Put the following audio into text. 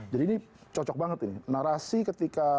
jadi ini cocok banget narasi ketika